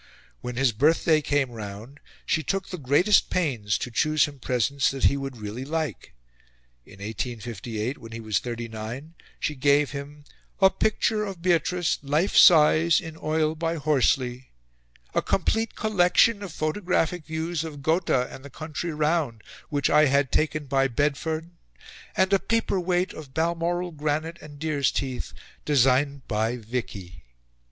When his birthday came round, she took the greatest pains to choose him presents that he would really like. In 1858, when he was thirty nine, she gave him "a picture of Beatrice, life size, in oil, by Horsley, a complete collection of photographic views of Gotha and the country round, which I had taken by Bedford, and a paper weight of Balmoral granite and deers' teeth, designed by Vicky."